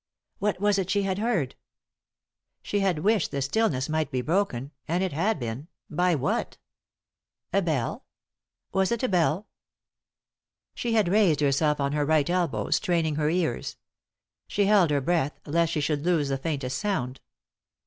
What was it she had heard ? She had wished the stillness might be broken ; and it had been— by what ? A bell ? Was it a bell ? 3i 9 iii^d by Google THE INTERRUPTED KISS She had raised herself on her right elbow, straining her ears. She held her breath, lest she should lose the faintest sound.